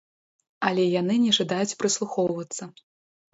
Але яны не жадаюць прыслухоўвацца.